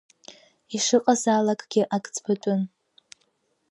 Ишыҟазаалакгьы, ак ӡбатәын.